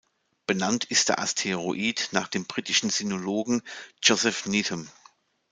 Benannt ist der Asteroid nach dem britischen Sinologen Joseph Needham.